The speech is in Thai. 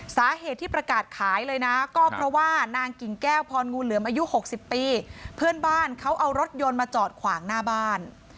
สาเหตุที่ประกาศขายเลยนะก็เพราะว่านางกิ่งแก้วพรงูเหลือมอายุ๖๐ปีเพื่อนบ้านเขาเอารถยนต์มาจอดขวางหน้าบ้าน